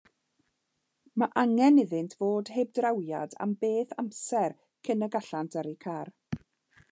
Mae angen iddynt fod heb drawiad am beth amser cyn y gallant yrru car.